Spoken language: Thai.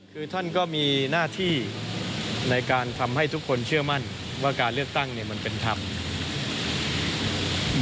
คือท่านก็มีหน้าที่ในการทำให้ทุกคนเชื่อมั่นว่าการเลือกตั้งมันเป็นธรรม